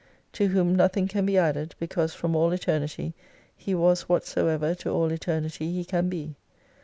To whom no thing can be added because from all Eternity He was whatsoever to all Eternity He can be.